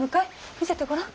見せてごらん。